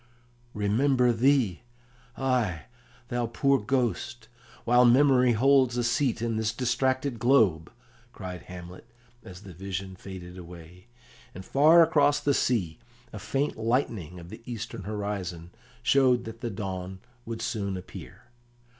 "Remember thee! Ay, thou poor Ghost, while memory holds a seat in this distracted globe," cried Hamlet, as the vision faded away, and far across the sea a faint lightening of the eastern horizon showed that the dawn would soon appear.